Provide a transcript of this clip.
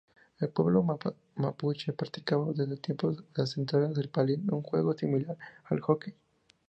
El pueblo mapuche, practicaba desde tiempos ancestrales el palín, un juego similar al hockey.